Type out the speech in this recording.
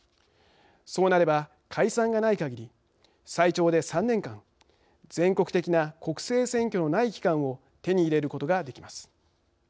そうなれば、解散がないかぎり最長で３年間全国的な国政選挙のない期間を手に入れることができます。